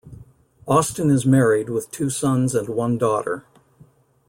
Austin is married with two sons and one daughter.